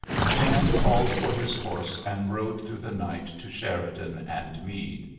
Grant called for his horse, and rode through the night to Sheridan and Meade.